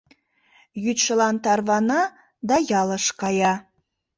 Йӱдшылан тарвана да ялыш кая.